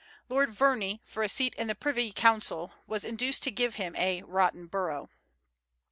Lord Verney, for a seat in the privy council, was induced to give him a "rotten borough."